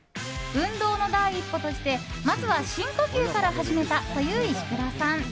運動の第一歩としてまずは深呼吸から始めたという石倉さん。